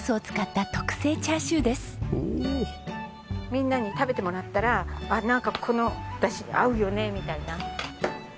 みんなに食べてもらったら「あっなんかこのダシに合うよね」みたいな。